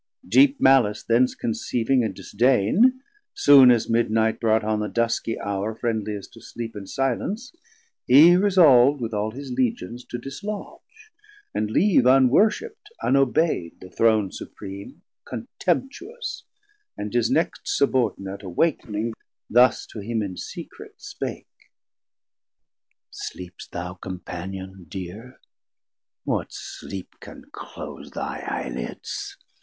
Deep malice thence conceiving & disdain, Soon as midnight brought on the duskie houre Friendliest to sleep and silence, he resolv'd With all his Legions to dislodge, and leave Unworshipt, unobey'd the Throne supream Contemptuous, and his next subordinate Awak'ning, thus to him in secret spake. Sleepst thou Companion dear, what sleep can close 670 Thy eye lids?